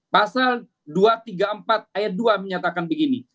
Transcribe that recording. pasal dua ratus tiga puluh empat ayat dua menyatakan begini